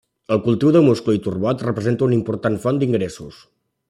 El cultiu de musclo i turbot representen una important font d'ingressos.